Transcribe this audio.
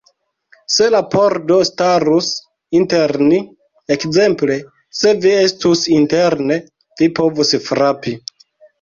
Se la pordo starus inter ni; ekzemple, se vi estus interne, vi povus frapi.